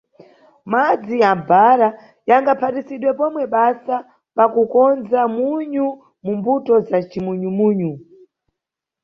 Madzi ya mʼbhara yangaphatisidwe pomwe basa pa kukonza munyu mu mbuto za cimunyu-munyu.